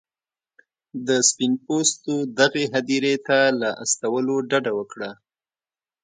د سپین پوستو دغې هدیرې ته له استولو ډډه وکړه.